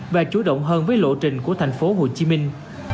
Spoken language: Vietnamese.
và chủ động hơn với lộ trình của thành phố hồ chí minh